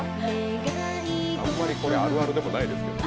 あんまりこれ、あるあるでもないですけど。